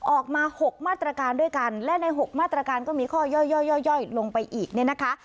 ออกมา๖มาตรการด้วยกันและใน๖มาตรการก็มีข้อย่อยลงไปอีกเนี่ยนะคะ